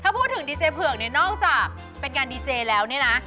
ถ้าพูดถึงดีเจเผือกเนี่ยนอกจากเป็นงานดีเจแล้วเนี่ยนะ